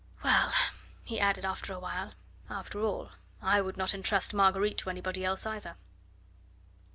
Well," he added after a while, "after all, I would not entrust Marguerite to anybody else either."